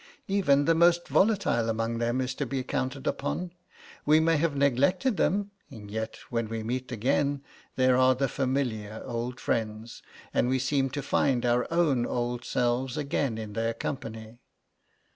Even the most volatile among them is to be counted upon. We may have neglected them, and yet when we meet again there are the familiar old friends, and we seem to find our own old selves again in their company.